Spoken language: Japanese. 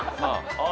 ああ！